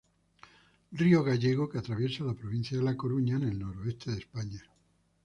Río gallego que atraviesa la provincia de La Coruña, en el noroeste de España.